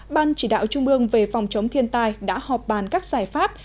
ban chỉ đạo trung ương về phòng chống thiên tai đã họp bàn các giải pháp